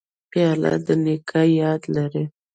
پیاله د نیکه یاد لري.